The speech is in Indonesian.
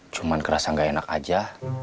cuma kerasa nggak enak aja